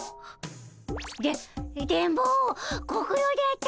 で電ボご苦労であったの。